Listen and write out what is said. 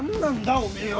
おめえは。